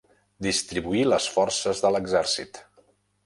Distribuir les forces de l'exèrcit.